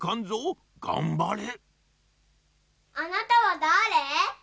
あなたはだれ？